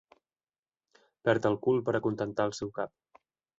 Perd el cul per acontentar el seu cap.